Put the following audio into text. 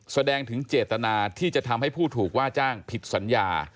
แสดงถึงเจตนาที่จะทำให้ผู้ถูกว่าจ้างผิดสัญญา